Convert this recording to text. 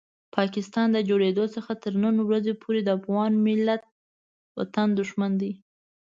پاکستان د جوړېدو څخه تر نن ورځې پورې د افغان وطن دښمن دی.